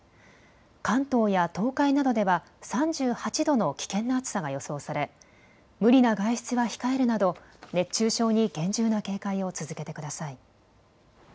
関東や東海などでは３８度の危険な暑さが予想され無理な外出は控えるなど熱中症に厳重な警戒を続けてください。